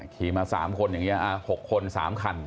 ขี่มา๓คนอย่างนี้๖คน๓คัน